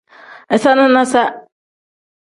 Iza nanasa.